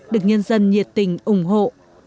được nhân dân nhiệt tình ủng hộ